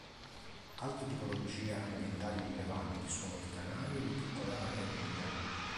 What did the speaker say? Altre tipologie ambientali rilevanti sono i Canali e le piccole aree umide.